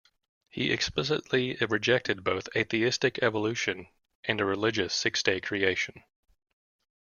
He explicitly rejected both atheistic evolution, and a religious six-day creation.